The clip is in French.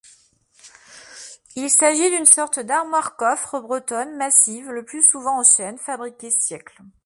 Il s'agit d'une sorte d'armoire-coffre bretonne, massive, le plus souvent en chêne, fabriquée siècles.